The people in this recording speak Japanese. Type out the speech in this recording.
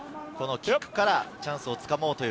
キックからチャンスをつかもうという。